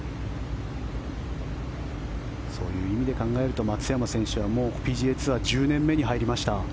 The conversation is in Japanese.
そういう意味で考えると松山選手はＰＧＡツアー１０年目に入りました。